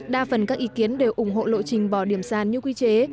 đa phần các ý kiến đều ủng hộ lộ trình bỏ điểm sàn như quy chế